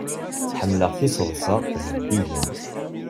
Ḥemmleɣ tiseḍsa zeddigen.